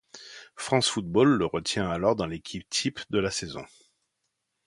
France Football le retient alors dans l'équipe type de la saison.